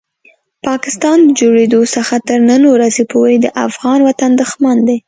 پاکستان د جوړېدو څخه تر نن ورځې پورې د افغان وطن دښمن دی.